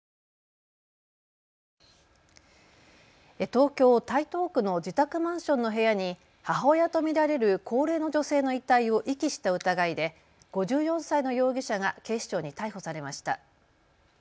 東京台東区の自宅マンションの部屋に母親と見られる高齢の女性の遺体を遺棄した疑いで５４歳の容疑者が警視庁に逮捕されました。